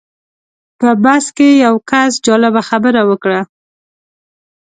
په بس کې یو کس جالبه خبره وکړه.